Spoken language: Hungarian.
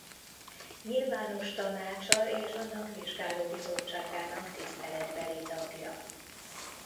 Nyilvános Tanácsa és annak vizsgálóbizottságának tiszteletbeli tagja.